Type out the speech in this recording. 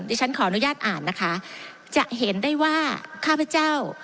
ที่ฉันขออนุญาตอ่านนะคะจะเห็นได้ว่าข้าพเจ้า